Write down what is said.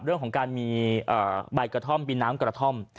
เรื่องของการมีใบกระท่อมมีน้ำกระท่อม